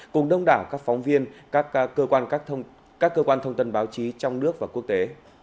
cùng đông đảo các phóng viên các cơ quan thông tin báo chí trong nước và quốc tế